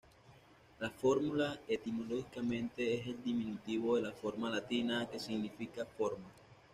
La "fórmula" etimológicamente es el diminutivo de la "forma" latina, que significa forma.